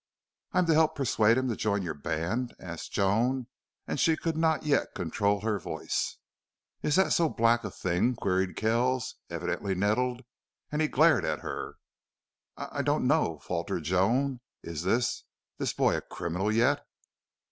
"I'm to help persuade him to join your band?" asked Joan, and she could not yet control her voice. "Is that so black a thing?" queried Kells, evidently nettled, and he glared at her. "I I don't know," faltered Joan. "Is this this boy a criminal yet?"